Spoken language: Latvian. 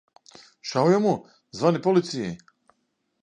Šaujamo! Zvani policijai!